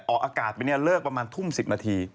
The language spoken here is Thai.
ออกอากาศไปเนี่ยเลิกประมาณทุ่ม๑๐นาที